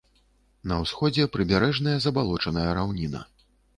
На ўсходзе прыбярэжная забалочаная раўніна.